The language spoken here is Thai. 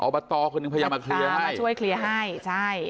อบตอร์แค่นั้นมาเคลียร์ให้